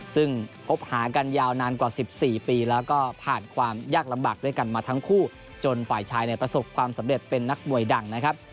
ซึ่งคบหากันยาวนานกว่า๑๔ปีแล้วก็ผ่านความยากลำบากด้วยกันมาทั้งคู่จนฝ่ายชายเนี่ยประสบความสำเร็จเป็นนักมวยดังนะครับ